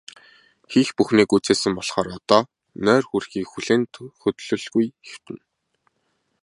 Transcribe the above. Хийх бүхнээ гүйцээсэн болохоор одоо нойр хүрэхийг хүлээн хөдлөлгүй хэвтэнэ.